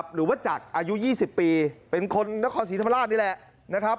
หรือว่าจักรอายุ๒๐ปีเป็นคนนครศรีธรรมราชนี่แหละนะครับ